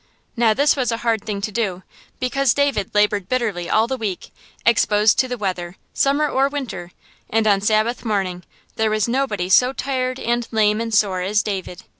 Now this was a hard thing to do, because David labored bitterly all the week, exposed to the weather, summer or winter; and on Sabbath morning there was nobody so tired and lame and sore as David.